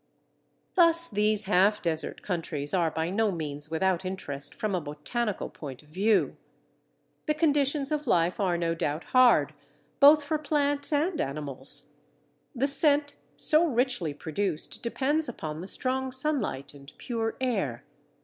Thus these half desert countries are by no means without interest from a botanical point of view. The conditions of life are no doubt hard both for plants and animals. The scent so richly produced depends upon the strong sunlight and pure air.